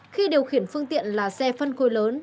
khi điều khiển phương tiện là xe phân khối lớn